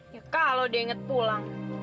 ya kalau dia inget pulang